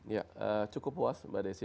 ya cukup puas mbak desi